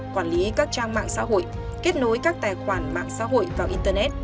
quản lý các trang mạng xã hội kết nối các tài khoản mạng xã hội vào internet